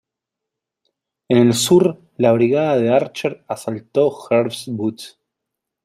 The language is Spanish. En el sur, la brigada de Archer asaltó Herbst Woods.